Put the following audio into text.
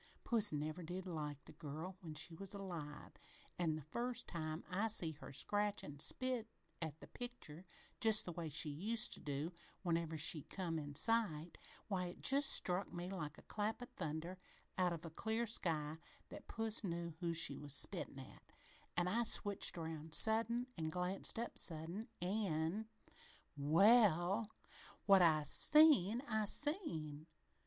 Puss never did like the girl when she was alive, an' the first time I see her scratch an' spit at the picture, just the way she used to do whenever she come in sight, why, it just struck me like a clap o' thunder out of a clear sky that puss knew who she was a spittin' at an' I switched around sudden an' glanced up sudden an' "Well, what I seen, I seen!